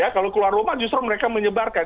kalau keluar rumah justru mereka menyebarkan